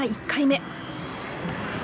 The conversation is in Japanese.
１回目。